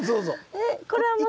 えっこれはもう。